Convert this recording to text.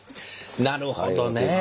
なるほどね。